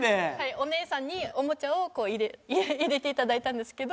お姉さんにおもちゃを入れて頂いたんですけど。